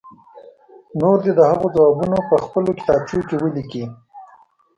نور دې د هغو ځوابونه په خپلو کتابچو کې ولیکي.